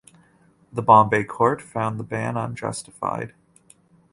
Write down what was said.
The Bombay Court found the ban unjustified.